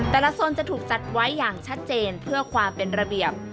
โซนจะถูกจัดไว้อย่างชัดเจนเพื่อความเป็นระเบียบ